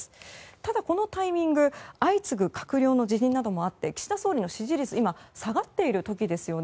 ただ、このタイミング相次ぐ閣僚の辞任などもあり岸田総理の支持率今、下がっている時ですよね。